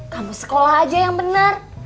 kamu sekolah aja yang benar